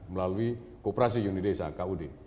melalui kooperasi unidesa kud